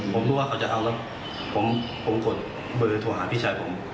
ผมรู้ว่าเขาจะเอาแล้วผมกดเบอร์โทรหาพี่ชายผม